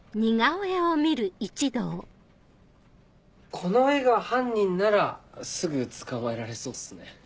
この絵が犯人ならすぐ捕まえられそうっすね。